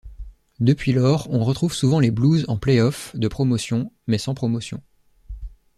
Depuis lors, on retrouve souvent les Blues en play-offs de promotion, mais sans promotion.